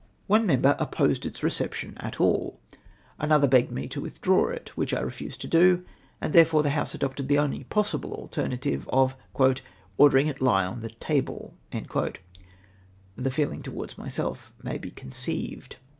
One member opposed its reception at all, another begged me to withdraw it, which I refused to do ; and, therefore, the House adopted the only possible alternative of " orderino it to he on the table." The feelino; to wards myself may be conceived.